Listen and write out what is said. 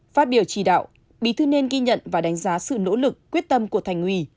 phát biểu chỉ đạo bí thư nên ghi nhận và đánh giá sự nỗ lực quyết tâm của thành ủy